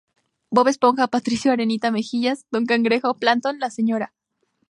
Bob Esponja, Patricio, Arenita Mejillas, Don Cangrejo, Plankton, la Sra.